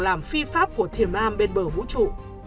làm phi pháp của thiền am bên bờ vũ trụ